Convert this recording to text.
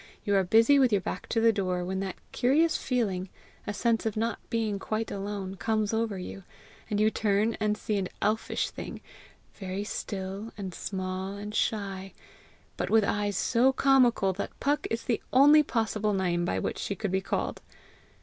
You are busy with your back to the door when that curious feeling, a sense of not being quite alone, comes over you, and you turn and see an elfish thing, very still and small and shy, but with eyes so comical that Puck is the only possible name by which she could be called.